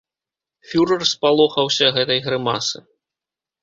Фюрэр спалохаўся гэтай грымасы.